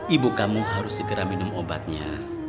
ibu kamu harus segera minum obatnya